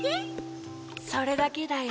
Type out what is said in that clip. ・それだけだよ。